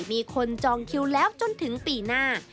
มีคนจองคิวแล้วจนถึงปีหน้า